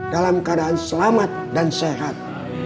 dalam keadaan selamat dan sehat